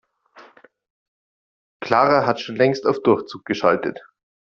Clara hat schon längst auf Durchzug geschaltet.